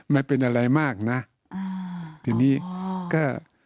ไม่เป็นอะไรมากนะอ่าทีนี้ก็